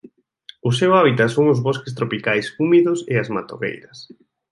O seu hábitat son os bosques tropicais húmidos e as matogueiras.